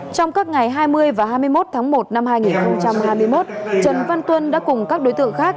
trong các ngày hai mươi và hai mươi một tháng một năm hai nghìn hai mươi một trần văn tuân đã cùng các đối tượng khác